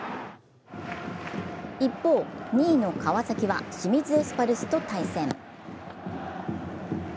一方、２位の川崎は清水エスパルスと対戦。